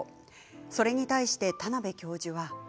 それに対して田邊教授は。